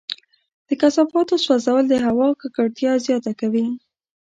د کثافاتو سوځول د هوا ککړتیا زیاته کوي.